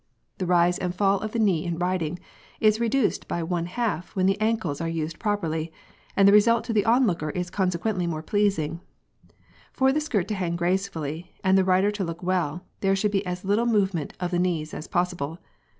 The rise and fall of the knee in riding, is reduced by one half when the ankles are used properly, and the result to the onlookeris consequently more pleasing. For the skirt to hang gracefully and the rider to look well, there should be as little movement of the knees as possible.